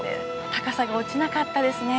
高さが落ちなかったですね。